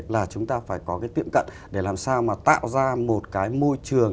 là chúng ta phải có cái tiệm cận để làm sao mà tạo ra một cái môi trường